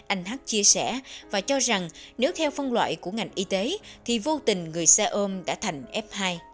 anh hát chia sẻ và cho rằng nếu theo phân loại của ngành y tế thì vô tình người xe ôm đã thành f hai